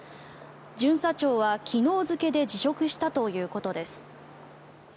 巡査長は昨日付で辞職したということです。